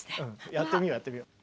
やってみようやってみよう。